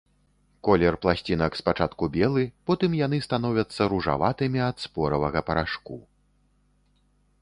Колер пласцінак спачатку белы, потым яны становяцца ружаватымі ад споравага парашку.